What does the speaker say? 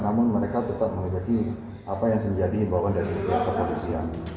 namun mereka tetap mengejaki apa yang sejati himbawan dan hiburan kepolisian